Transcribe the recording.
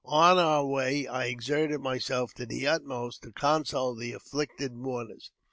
On our way, I exerted myself to the utmost to console the afflicted mourners.